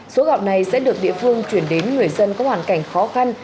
số gạo này sẽ được địa phương chuyển đến người dân có hoàn cảnh khó khăn